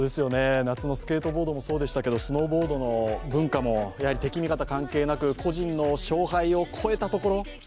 夏のスケートボードもそうでしたけど、スノーボードの文化も、やはり敵味方関係なく個人の勝敗を超えたところ。